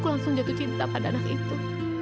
aku langsung jatuh cinta pada anak itu